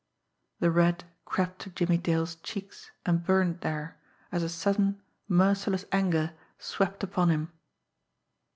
The red crept to Jimmie Dale's cheeks and burned there, as a sudden, merciless anger swept upon him.